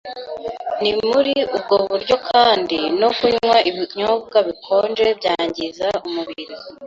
Ni muri ubwo buryo kandi no kunywa ibinyobwa bikonje byangiza umubiri;